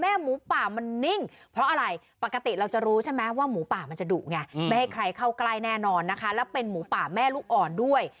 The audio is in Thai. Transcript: หมูป่ามันนิ่งเพราะอะไรปกติเราจะรู้ใช่ไหมว่าหมูป่ามันจะดุไงไม่ให้ใครเข้าใกล้แน่นอนนะคะแล้วเป็นหมูป่าแม่ลูกอ่อนด้วย